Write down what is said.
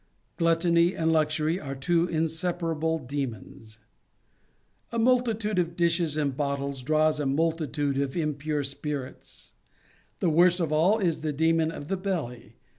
Gluttony and Luxury are two inseparable demons. A multitude of dishes and bottles draws a multitude of impure spirits: the worst of all is the demon of the belly.